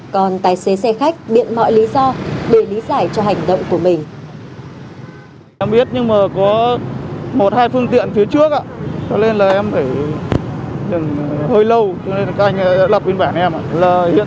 còn tài xế xe ôm này lại di chuyển đi nơi khác